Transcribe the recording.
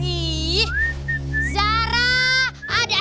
ihh zara adam